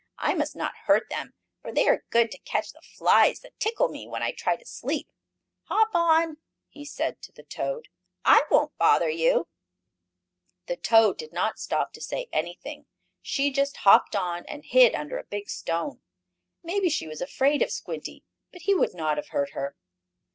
"I must not hurt them, for they are good to catch the flies that tickle me when I try to sleep. Hop on," he said to the toad. "I won't bother you." [Illustration: "Hop on," he said to the toad, "I won't bother you."] The toad did not stop to say anything. She just hopped on, and hid under a big stone. Maybe she was afraid of Squinty, but he would not have hurt her.